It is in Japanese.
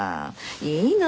いいの？